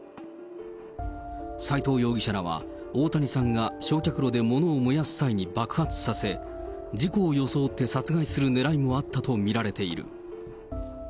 斎藤容疑者らは、大谷さんが焼却炉でものを燃やす際に爆発させ、事故を装って殺害するねらいもあったと見られている。